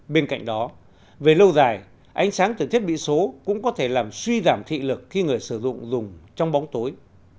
bên cạnh đó về lâu dài ánh sáng từ thiết bị số cũng có thể làm suy giảm thị lực khi người sử dụng dùng trong bóng tối